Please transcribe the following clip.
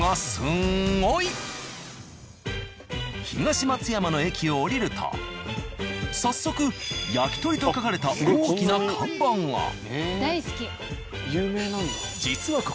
東松山の駅を降りると早速「やきとり」と書かれた大きな看板が。